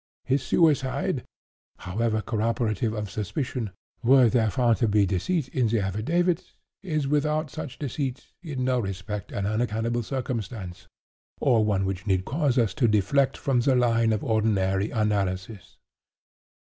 His suicide, however corroborative of suspicion, were there found to be deceit in the affidavits, is, without such deceit, in no respect an unaccountable circumstance, or one which need cause us to deflect from the line of ordinary analysis.